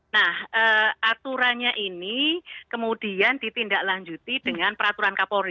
nah aturannya ini kemudian ditindaklanjuti dengan peraturan kapolri